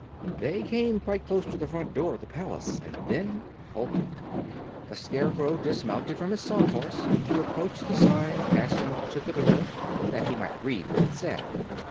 They came quite close to the front door of the palace and then halted, the Scarecrow dismounting from his Saw Horse to approach the sign fastened to the door, that he might read what it said.